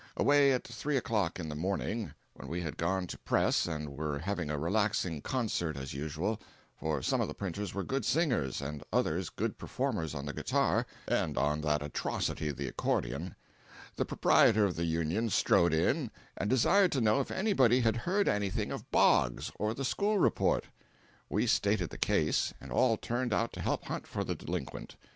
Away at three o'clock in the morning, when we had gone to press and were having a relaxing concert as usual—for some of the printers were good singers and others good performers on the guitar and on that atrocity the accordion—the proprietor of the Union strode in and desired to know if anybody had heard anything of Boggs or the school report. We stated the case, and all turned out to help hunt for the delinquent.